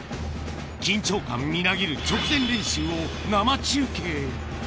緊張感みなぎる直前練習を生中継。